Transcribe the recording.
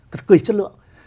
cực kỳ chất lượng